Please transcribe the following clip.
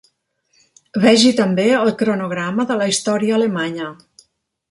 Vegi també el cronograma de la història alemanya.